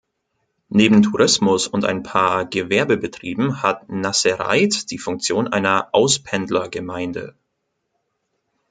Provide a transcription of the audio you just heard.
Neben Tourismus und ein paar Gewerbebetrieben hat Nassereith die Funktion einer Auspendlergemeinde.